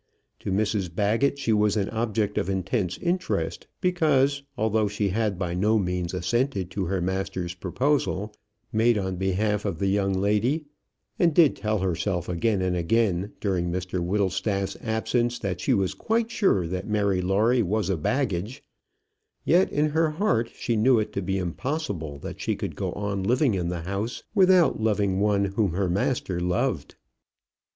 To Mrs Baggett she was an object of intense interest; because, although she had by no means assented to her master's proposal, made on behalf of the young lady, and did tell herself again and again during Mr Whittlestaff's absence that she was quite sure that Mary Lawrie was a baggage, yet in her heart she knew it to be impossible that she could go on living in the house without loving one whom her master loved.